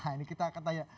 ini kita akan tanya